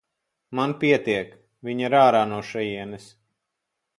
Man pietiek, viņa ir ārā no šejienes.